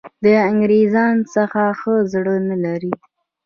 د انګرېزانو څخه ښه زړه نه لري.